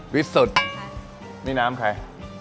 วิสุทธิ์นี่น้ำใคร